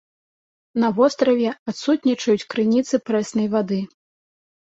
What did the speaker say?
На востраве адсутнічаюць крыніцы прэснай вады.